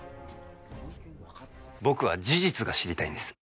僕は事実が知りたいんです。